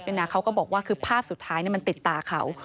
นี่นะเขาก็บอกว่าภาพสุดท้ายเนี่ยมันติดตาเขา